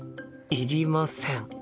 いりません。